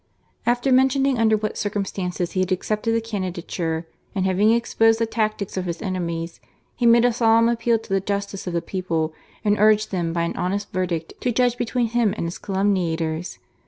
After mentioning under what circumstances he had accepted the candidature, and having exposed the tactics of his enemies, he made a solemn appeal to the justice of the people, and urged them by an honest verdict to judge between him and his calumniators.